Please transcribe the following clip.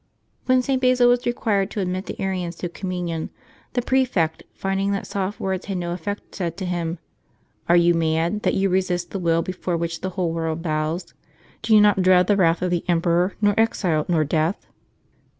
When St. Basil was required to admit the Arians to Communion, the prefect, finding that soft words had no effect, said to him, " Are you mad, that 3^ou resist the will before which the whole world bows? Do you not dread the wrath of the emperor, nor exile, nor death?"